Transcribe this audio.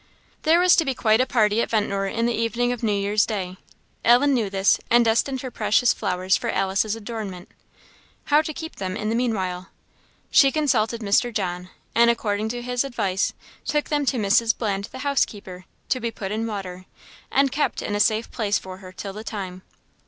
There was to be quite a party at Ventnor in the evening of New Year's day. Ellen knew this, and destined her precious flowers for Alice's adornment. How to keep them, in the meanwhile? She consulted Mr. John, and according to his advice, took them to Mrs. Bland, the housekeeper, to be put in water, and kept in a safe place for her till the time.